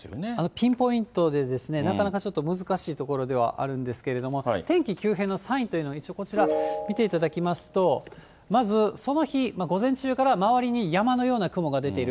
ピンポイントで、なかなかちょっと難しいところではあるんですけれども、天気急変のサインというの、一応こちら、見ていただきますと、まずその日、午前中から周りに山のような雲が出ている。